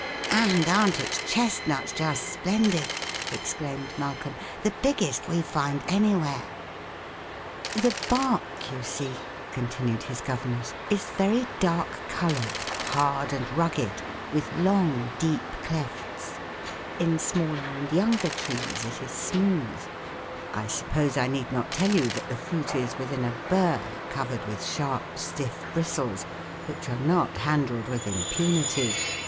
"And aren't its chestnuts just splendid?" exclaimed Malcolm "the biggest we find anywhere." [Illustration: THE CHESTNUT TREE.] "The bark, you see," continued his governess, "is very dark colored, hard and rugged, with long, deep clefts. In smaller and younger trees it is smooth. I suppose I need not tell you that the fruit is within a burr covered with sharp, stiff bristles which are not handled with impunity.